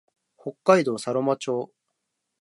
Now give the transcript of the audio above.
北海道佐呂間町